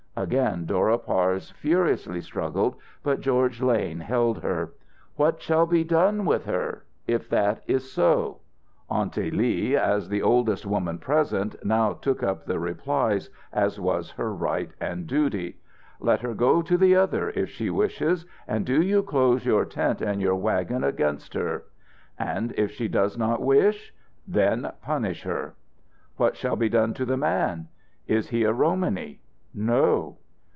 Again Dora Parse furiously struggled, but George Lane held her. "What shall be done with her? If that is so?" Aunty Lee, as the oldest woman present, now took up the replies, as was her right and duty: "Let her go to that other, if she wishes, and do you close your tent and your wagon against her." "And if she does not wish?" "Then punish her." "What shall be done to the man?" "Is he a Romany?" "No."